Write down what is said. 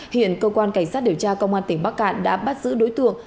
hiện cơ quan cảnh sát điều tra công an tỉnh bắc cạn đã bắt giữ đối tượng